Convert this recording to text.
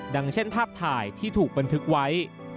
เช่นภาพถ่ายที่ถูกบันทึกไว้